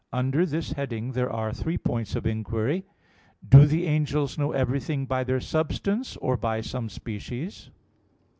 Under this heading there are three points of inquiry: (1) Do the angels know everything by their substance, or by some species?